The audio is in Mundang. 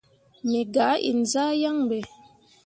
Me gah inzah yaŋ ɓe.